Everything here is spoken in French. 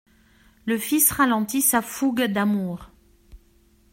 Le fils ralentit sa fougue d'amour.